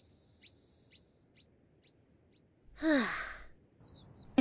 はあ。